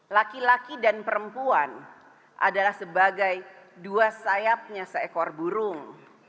laki laki dan perempuan adalah sebagai dua sayapnya seekor burung